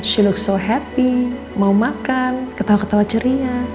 she looks so happy mau makan ketawa ketawa ceria